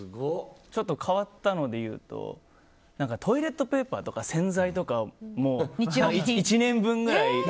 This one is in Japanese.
あとちょっと変わったのでいうとトイレットペーパーとか洗剤とか１年分ぐらい。